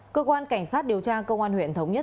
cơ quan cảnh sát điều tra công an huyện thống nhất